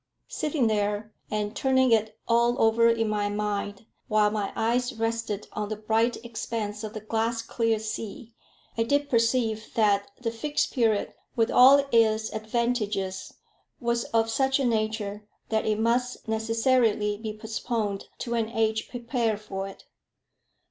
Sitting there, and turning it all over in my mind, while my eyes rested on the bright expanse of the glass clear sea, I did perceive that the Fixed Period, with all its advantages, was of such a nature that it must necessarily be postponed to an age prepared for it.